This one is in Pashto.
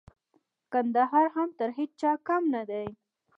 کندهار هم تر هيچا کم نه دئ.